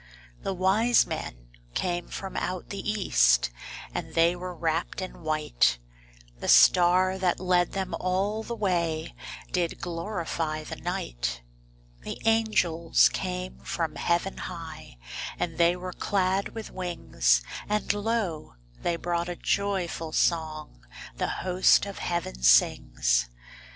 The wise men came from out the east, And they were wrapped in white; The star that led them all the way Did glorify the night. The angels came from heaven high, And they were clad with wings; And lo, they brought a joyful song The host of heaven sings.